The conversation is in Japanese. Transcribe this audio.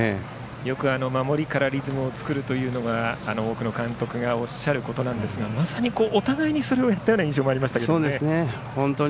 よく守りからリズムを作るというのは多くの監督がおっしゃることですがまさにお互いにそういった印象でした。